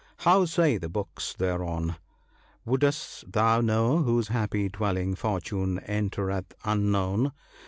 How say the books thereon ?—" Wouldst thou know whose happy dwelling Fortune entereth un known